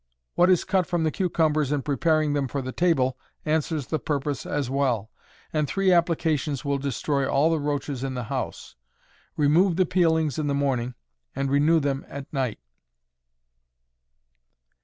What is cut from the cucumbers in preparing them for the table answers the purpose as well, and three applications will destroy all the roaches in the house. Remove the peelings in the morning, and renew them at night.